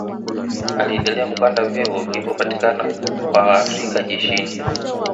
Aliendela kupanda vyeo vilivyopatikana kwa Waafrika jeshini